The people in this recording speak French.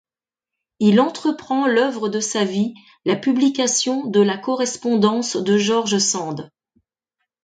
Il entreprend l'œuvre de sa vie, la publication de la correspondance de George Sand.